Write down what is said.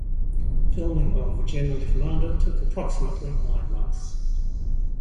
Filming of "General Commander" took approximately nine months.